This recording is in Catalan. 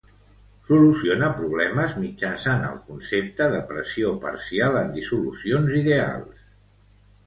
Soluciona problemes mitjançant el concepte de pressió parcial en dissolucions ideals.